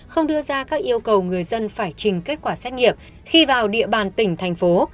không đưa ra các yêu cầu người dân phải trình kết quả xét nghiệm khi vào địa bàn tỉnh thành phố